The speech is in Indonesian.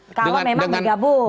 kalau memang digabung